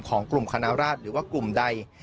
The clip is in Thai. ของกลุ่มคณะราชหรือว่ากลุ่มใด